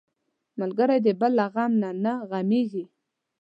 ملګری د بل له غم نه غمېږي